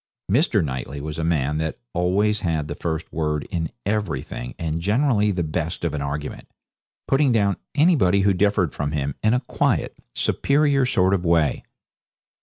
Mr. Knightley was a man that always had the first word in everything, and generally the best of an argument putting down anybody who differed from him in a quiet, superior sort of way.